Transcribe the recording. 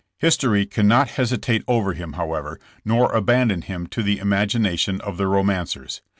History cannot hesitate over him, however, nor abandon him to the imagination of the romancers.